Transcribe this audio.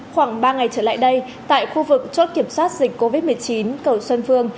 khoảng ba ngày trở lại đây tại khu vực chốt kiểm soát dịch covid một mươi chín cầu xuân phương